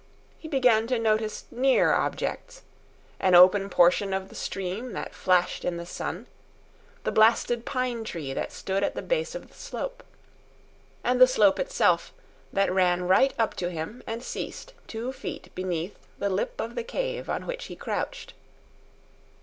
He began to notice near objects—an open portion of the stream that flashed in the sun, the blasted pine tree that stood at the base of the slope, and the slope itself, that ran right up to him and ceased two feet beneath the lip of the cave on which he crouched.